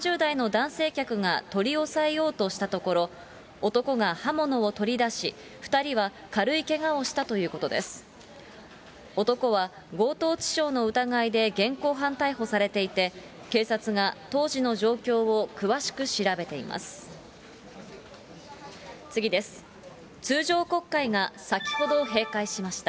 男は強盗致傷の疑いで現行犯逮捕されていて、警察が当時の状況を詳しく調べています。